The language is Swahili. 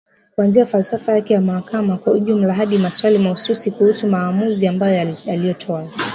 kuanzia falsafa yake ya mahakama kwa ujumla hadi maswali mahususi kuhusu maamuzi ambayo aliyatoa.